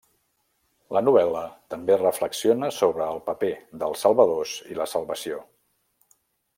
La novel·la també reflexiona sobre el paper dels salvadors i la salvació.